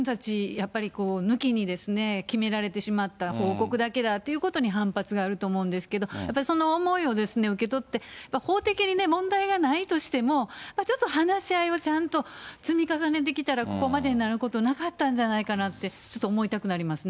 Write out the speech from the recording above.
やっぱり、抜きに決められてしまった、報告だけだということに反発があると思うんですけど、その思いを受け取って、法的に問題がないとしても、やっぱりちょっと話し合いをちゃんと積み重ねていたら、ここまでになることなかったんじゃないかって、ちょっと思いたくなりますね。